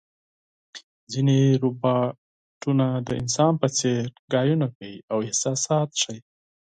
ځینې روباټونه د انسان په څېر خبرې کوي او احساسات ښيي.